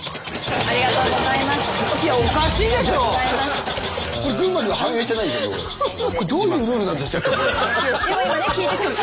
ありがとうございます。